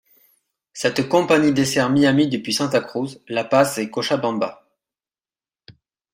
Cette compagnie dessert Miami depuis Santa Cruz, La Paz et Cochabamba.